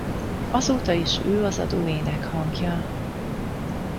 Azóta is ő az adó énekhangja.